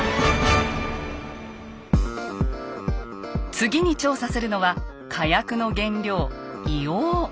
次に調査するのは火薬の原料硫黄。